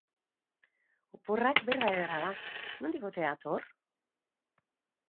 "Oporrak" berba ederra da, nondik ote dator?